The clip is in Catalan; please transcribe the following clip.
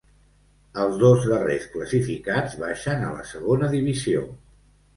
Els dos darrers classificats baixen a la segona divisió.